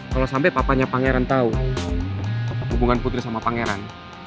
kalau sampai papanya pangeran tahu hubungan putri sama pangeran